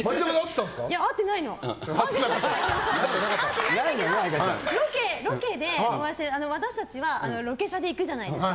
いや、会ってないんだけどロケで私たちはロケ車で行くじゃないですか。